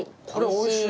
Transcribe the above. おいしい。